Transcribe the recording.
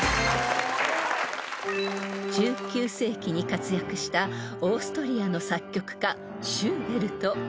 ［１９世紀に活躍したオーストリアの作曲家シューベルト］